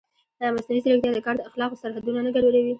ایا مصنوعي ځیرکتیا د کار د اخلاقو سرحدونه نه ګډوډوي؟